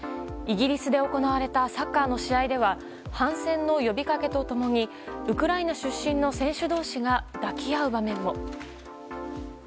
イギリスで行われたサッカーの試合では反戦の呼びかけと共にウクライナ出身の選手同士が抱き合う場面も。